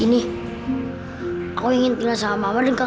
dalam pengurusan saya akan menemandanmu